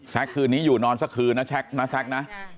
คืนนี้อยู่นอนสักคืนนะแซ็กนะ